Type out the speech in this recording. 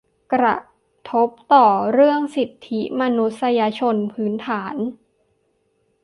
กระทบต่อเรื่องสิทธิมนุษยชนพื้นฐาน